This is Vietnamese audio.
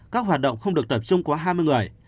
các hoạt động không được tập trung quá hai mươi người